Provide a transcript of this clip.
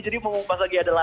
jadi mau pas lagi adalah